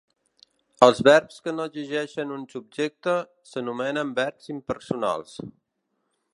Els verbs que no exigeixen un subjecte s'anomenen verbs impersonals.